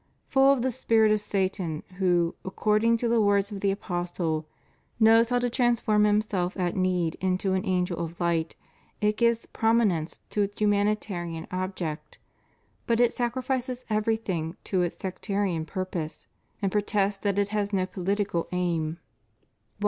Full of the spirit of Satan who, according to the words of the Apostle, knows how to transform himself at need into an angel of light, it gives prominence to its hmnani tarian object, but it sacrifices everyiihing to its sectarian purpose and protests that it has no political aim, while REVIEW OF HIS PONTIFICATE.